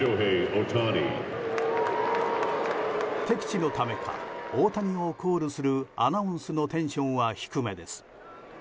敵地のためか大谷をコールするアナウンスのテンションは低めです。